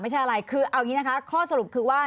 คือเอาอย่างนี้นะคะข้อสรุปคือว่า